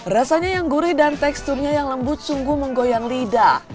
rasanya yang gurih dan teksturnya yang lembut sungguh menggoyang lidah